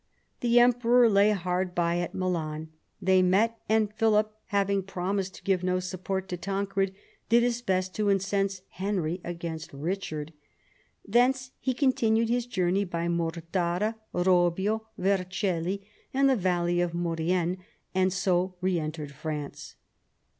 The emperor lay hard by at Milan. They met, and Philip, having promised to give no support to Tancred, did his best to incense Henry against Richard. Thence he continued his journey by Mortara, Robbio, Vercelli, and the valley of Maurienne, and so re entered France.